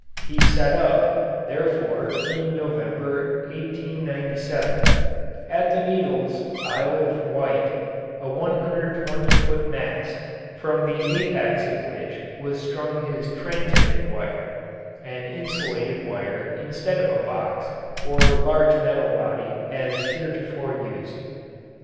He set up, therefore (in November, 1897), at the Needles, Isle of Wight, a 120 foot mast, from the apex of which was strung his transmitting wire (an insulated wire, instead of a box, or large metal body, as heretofore used).